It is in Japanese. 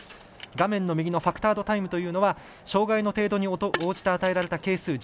画面の右のファクタードタイムというのは障がいの程度に応じて与えられた係数。